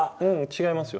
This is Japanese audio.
違いますよ。